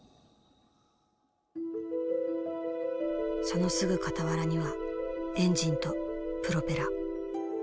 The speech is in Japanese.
そのすぐ傍らにはエンジンとプロペラ。